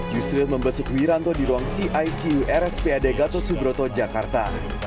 yusril membesuk wiranto di ruang cicu rspad gatot subroto jakarta